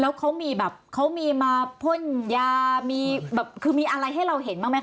แล้วเขามีแบบเขามีมาพ่นยามีแบบคือมีอะไรให้เราเห็นบ้างไหมค